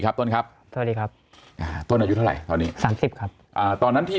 ครับต้นครับสวัสดีครับต้นอายุเท่าไหร่ตอนนี้๓๐ครับตอนนั้นที่